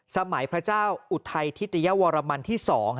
สมัยพระเจ้าอุทัยธิ